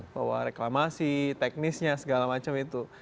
bahwa reklamasi teknisnya segala macam itu